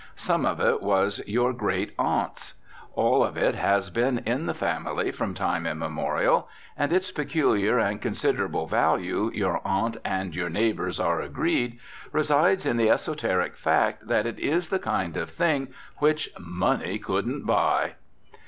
Some of it was your great aunt's. All of it has been in the family from time immemorial; and its peculiar and considerable value, your aunt and her neighbours are agreed, resides in the esoteric fact that it is the kind of thing which "money couldn't buy."